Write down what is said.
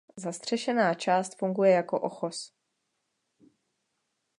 Zastřešená část funguje jako ochoz.